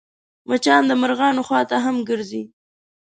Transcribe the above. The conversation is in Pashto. مچان د مرغانو خوا ته هم ګرځي